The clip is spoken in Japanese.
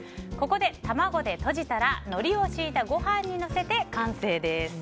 ここで卵でとじたらのりを敷いたご飯にのせて完成です。